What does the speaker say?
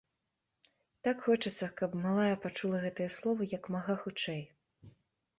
Так хочацца, каб малая пачула гэтыя словы, як мага хутчэй.